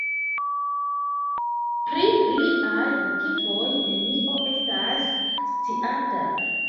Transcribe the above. Pri liaj motivoj nenio estas sciata.